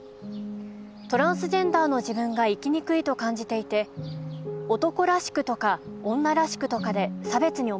トランスジェンダーの自分が生きにくいと感じていて男らしくとか女らしくとかで差別に思ったから。